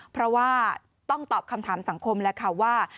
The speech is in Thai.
เพราะว่าต้องตอบคำถามสังคมแล้วค่ะว่า